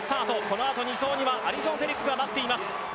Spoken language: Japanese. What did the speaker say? このあと、２走にはアリソン・フェリックスが待っています。